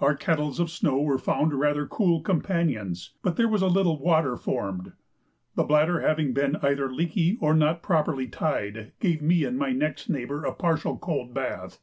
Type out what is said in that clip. Our kettles of snow were found rather cool companions, but there was a little water formed. The bladder having been either leaky, or not properly tied, gave me and my next neighbour a partial cold bath.